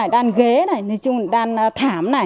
đan ghế đan thảm